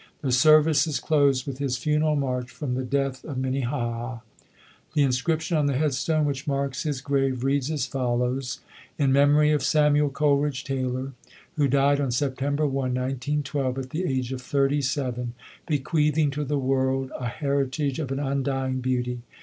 The services closed with his funeral march from "The Death of Minnehaha". The inscription on the headstone which marks his grave reads as follows : IK MEMORY OF SAMUEL COLERIDGE TAYLOR who died on September 1, 1912 at the age of 37 Bequeathing to the World A Heritage of an undying Beauty.